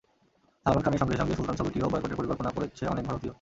সালমান খানের সঙ্গে সঙ্গে সুলতান ছবিটিও বয়কটের পরিকল্পনা করছে অনেক ভারতীয়।